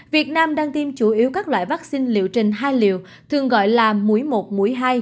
việt nam đang tiêm chủ yếu các loại vaccine liệu trình hai liệu thường gọi là mũi một mũi hai